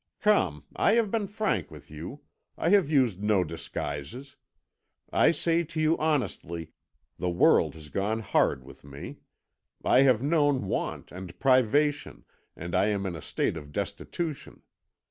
Come, I have been frank with you; I have used no disguises. I say to you honestly, the world has gone hard with me; I have known want and privation, and I am in a state of destitution.